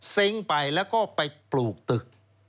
ไปแล้วก็ไปปลูกตึก